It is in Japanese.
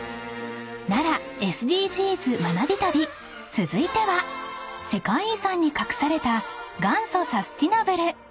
［続いては世界遺産に隠された元祖サスティナブル］